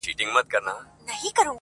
خو حقيقت نه بدل کيږي تل,